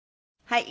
はい。